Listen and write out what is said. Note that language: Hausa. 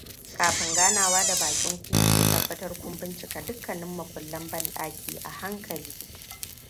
Kafin ganawa da baƙin ku, ku tabbatar kun bincika dukkanin makullan banɗaki a hankali.